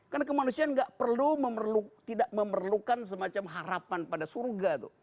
karena kemanusiaan tidak perlu memerlukan semacam harapan pada surga